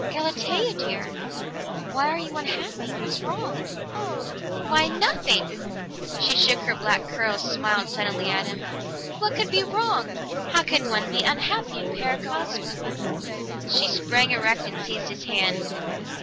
"Galatea, dear! Why are you unhappy? What's wrong?" "Why, nothing!" She shook her black curls, smiled suddenly at him. "What could be wrong? How can one be unhappy in Paracosma?" She sprang erect and seized his hand.